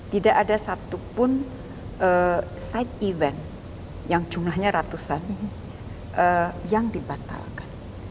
tidak ada satupun side event yang jumlahnya ratusan yang dibatalkan